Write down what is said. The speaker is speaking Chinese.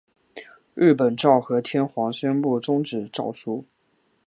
日本昭和天皇宣布终战诏书。